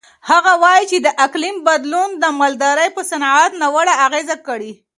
هغه وایي چې د اقلیم بدلون د مالدارۍ په صنعت ناوړه اغېز کړی.